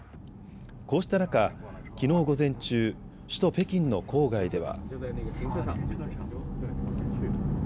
こうした中、きのう午前中、首都・北京の郊外では。